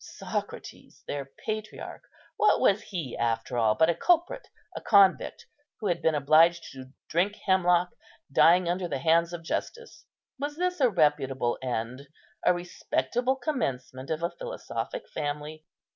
Socrates, their patriarch, what was he after all but a culprit, a convict, who had been obliged to drink hemlock, dying under the hands of justice? Was this a reputable end, a respectable commencement of the philosophic family?